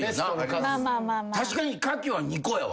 確かに牡蠣は２個やわ。